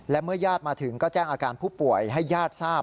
และเมื่อญาติมาถึงก็แจ้งอาการผู้ป่วยให้ญาติทราบ